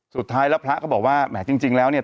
สุดท้ายแล้วพระก็บอกว่าแหมจริงแล้วเนี่ย